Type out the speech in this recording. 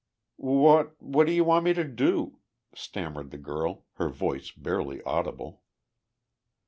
"What what do you want me to do?" stammered the girl, her voice barely audible.